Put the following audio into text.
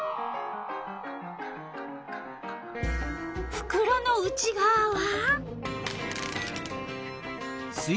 ふくろの内がわは？